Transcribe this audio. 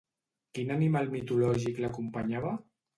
Quin animal mitològic l'acompanyava?